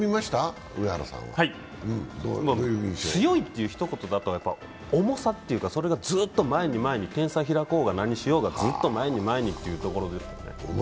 強いっていうひと言だと重さというのがずっと前に前に、点差開こうが何しようが、ずっと前に前にという感じですよね。